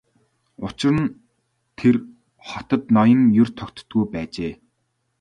Учир нь тэр хотод ноён ер тогтдоггүй байжээ.